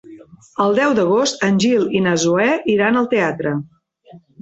El deu d'agost en Gil i na Zoè iran al teatre.